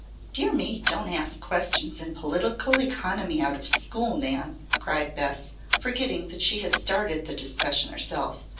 "Dear me! Don't ask questions in political economy out of school, Nan!" cried Bess, forgetting that she had started the discussion herself.